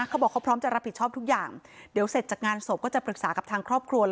เขาบอกเขาพร้อมจะรับผิดชอบทุกอย่างเดี๋ยวเสร็จจากงานศพก็จะปรึกษากับทางครอบครัว